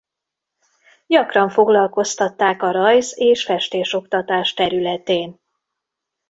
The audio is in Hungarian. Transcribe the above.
Gyakran foglalkoztatták a rajz- és festésoktatás területén.